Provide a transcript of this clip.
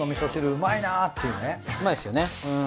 うまいっすよね。